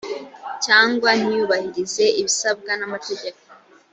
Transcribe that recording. cyangwa ntiyubahirize ibisabwa n amategeko